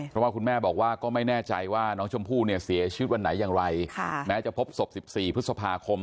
เพราะว่าคุณแม่บอกว่าก็ไม่แน่ใจว่าน้องชมพู่เนี่ยเสียชีวิตวันไหนอย่างไรแม้จะพบศพ๑๔พฤษภาคม